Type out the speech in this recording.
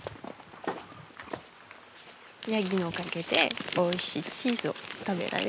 ヤギのおかげでおいしいチーズを食べられる。